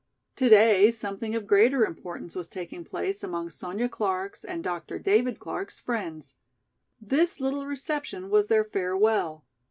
Today something of greater importance was taking place among Sonya Clark's and Dr. David Clark's friends. This little reception was their farewell.